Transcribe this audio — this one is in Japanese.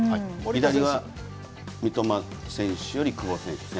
左は三笘選手より久保選手と。